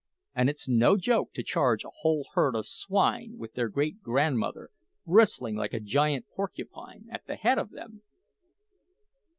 And it's no joke to charge a whole herd of swine with their great grandmother bristling like a giant porcupine, at the head of them!"